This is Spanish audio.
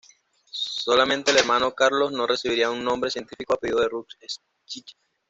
Solamente el hermano, Carlos, no recibiría un nombre científico, a pedido de Ruth Schick.